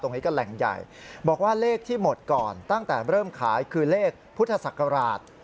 ตรงนี้ก็แหล่งใหญ่บอกว่าเลขที่หมดก่อนตั้งแต่เริ่มขายคือเลขพุทธศักราช